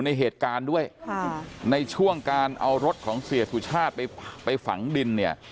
ในเหตุการณ์ด้วยค่ะในช่วงการเอารถของเสียสุชาติไปไปฝังดินเนี่ย